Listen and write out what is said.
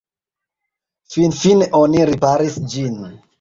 Finfine oni riparis ĝin.